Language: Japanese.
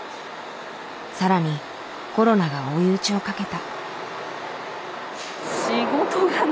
更にコロナが追い打ちをかけた。